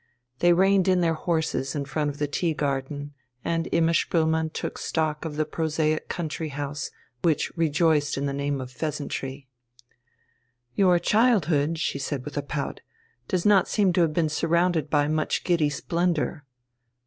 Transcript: They reined in their horses in front of the tea garden, and Imma Spoelmann took stock of the prosaic country house which rejoiced in the name of the "Pheasantry." "Your childhood," she said with a pout, "does not seem to have been surrounded by much giddy splendour."